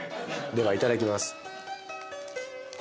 ではいただきます。